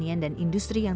di indonesia jika anda